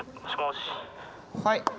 はい。